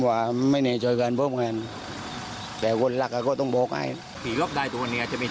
ถ้าบอกคุณผมว่าครับหนวมผม